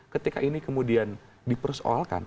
ketika ini kemudian dipersoalkan